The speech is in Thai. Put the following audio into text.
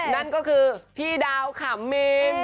นั่นก็คือพี่ดาวขำเมน